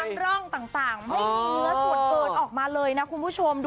ร่องต่างไม่มีเนื้อส่วนเกินออกมาเลยนะคุณผู้ชม